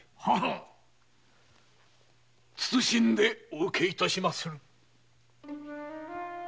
謹んでお受け致しまする。